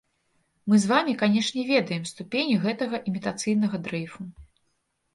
Мы з вамі, канешне, ведаем ступень гэтага імітацыйнага дрэйфу.